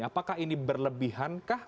apakah ini berlebihan kah